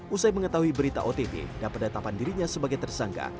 usai mengetahui berita ott dapat datapan dirinya sebagai tersangka